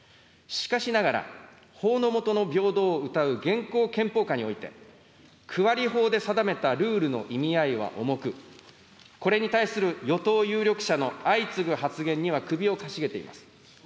しかしながら、法の下の平等をうたう現行憲法下において、区割り法で定めたルールの意味合いは重く、これに対する与党有力者の相次ぐ発言には首をかしげています。